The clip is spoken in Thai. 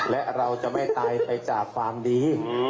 และเราจะไม่ตายไปจากความดี